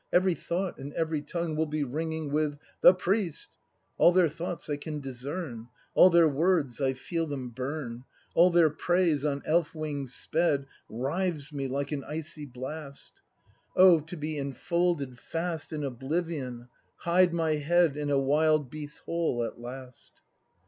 Every thought and every tongue Will be ringing with "the priest," All their thoughts I can discern; All their words I feel them burn; All their praise, on elf wings sped. Rives me like an icy blast! Oh, to be enfolded fast In oblivion, hide my head In a wild beast's hole at last!